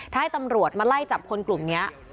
ถ้าให้ตำรวจมาไล่จับคนกลุ่มนี้